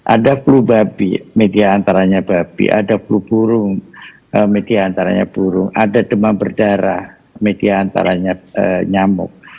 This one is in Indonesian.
ada flu babi media antaranya babi ada flu burung media antaranya burung ada demam berdarah media antaranya nyamuk